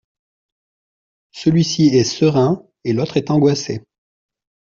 Celui-ci est serein et l’autre est angoissé.